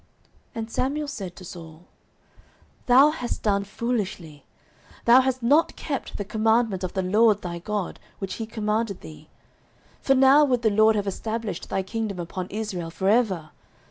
09:013:013 And Samuel said to Saul, Thou hast done foolishly: thou hast not kept the commandment of the LORD thy God, which he commanded thee: for now would the LORD have established thy kingdom upon Israel for ever.